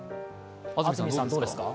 安住さん、どうですか？